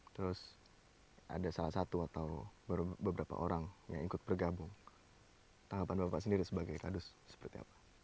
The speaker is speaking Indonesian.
terus ada salah satu atau beberapa orang yang ikut bergabung tanggapan bapak sendiri sebagai kadus seperti apa